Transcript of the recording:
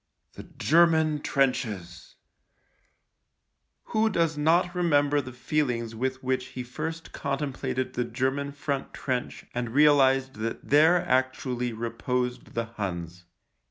The German trenches ! Who does not remember the feelings with which he first contemplated the German front trench and realised that there actually reposed the Huns